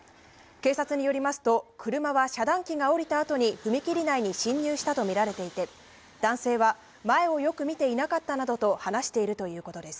警察によりますと、車は遮断機が下りた後に踏切内に侵入したとみられていて、男性は前をよく見ていなかったなどと話しているということです。